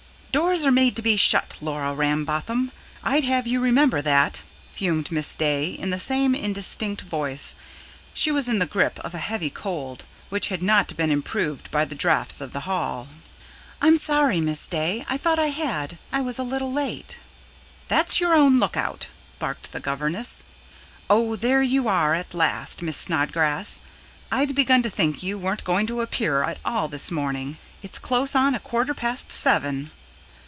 "Doors are made to be shut, Laura Rambotham, I'd have you remember that!" fumed Miss Day in the same indistinct voice: she was in the grip of a heavy cold, which had not been improved by the draughts of the hall. "I'm sorry, Miss Day. I thought I had. I was a little late." "That's your own lookout," barked the governess. "Oh, there you are at last, Miss Snodgrass. I'd begun to think you weren't going to appear at all this morning. It's close on a quarter past seven."